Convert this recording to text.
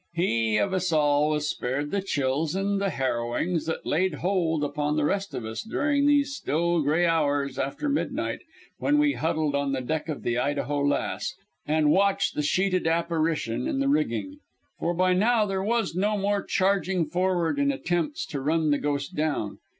He of us all was spared the chills and the harrowings that laid hold upon the rest of us during these still gray hours after midnight when we huddled on the deck of the Idaho Lass and watched the sheeted apparition in the rigging; for by now there was no more charging forward in attempts to run the ghost down.